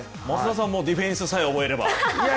松田さんもディフェンスさえ覚えれば？